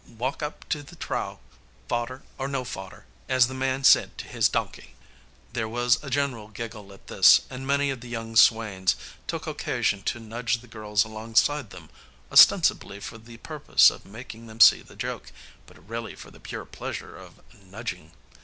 Walk up to the trough, fodder or no fodder, as the man said to his donkey." There was a general giggle at this, and many of the young swains took occasion to nudge the girls alongside them, ostensibly for the purpose of making them see the joke, but really for the pure pleasure of nudging.